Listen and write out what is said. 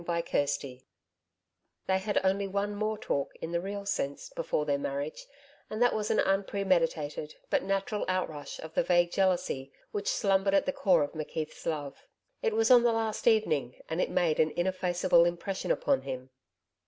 CHAPTER 3 They had only one more talk, in the real sense, before their marriage, and that was an unpremeditated but natural outrush of the vague jealousy which slumbered at the core of McKeith's love. It was on the last evening, and it made an ineffaceable impression upon him.